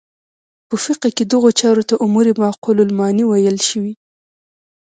په فقه کې دغو چارو ته امور معقوله المعنی ویل شوي.